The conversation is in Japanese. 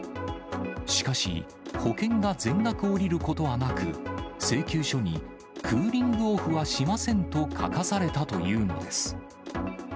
しかし、保険が全額下りることはなく、請求書にクーリングオフはしませんと書かされたというのです。